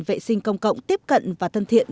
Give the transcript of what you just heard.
vệ sinh công cộng tiếp cận và thân thiện